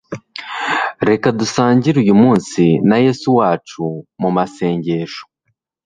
reka dusangire uyu munsi na yesu wacu mumasengesho